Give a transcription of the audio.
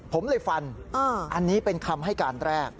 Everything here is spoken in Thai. ผมเลยฟันอันนี้เป็นคำให้การแรก